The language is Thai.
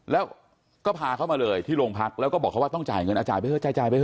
แล้วก็พาเขามาเลยที่โรงพักแล้วก็บอกเขาว่าต้องจ่ายเงินเอาจ่ายไปเถอะจ่ายไปเ